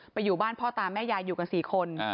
อยู่บ้านพ่อตาแม่ยายอยู่กัน๔คน